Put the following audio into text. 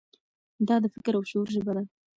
دا د فکر او شعور ژبه ده.